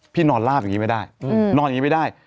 นอนลาบอย่างนี้ไม่ได้นอนอย่างนี้ไม่ได้